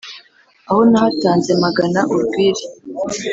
aho nahatanze magana urwiri